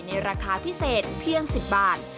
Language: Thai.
ราคาพิเศษเพียง๑๐บาท